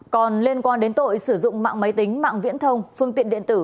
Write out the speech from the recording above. còn liên quan đến tội sử dụng mạng máy tính mạng viễn thông phương tiện điện tử